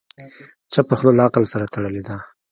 چپه خوله، له عقل سره تړلې ده.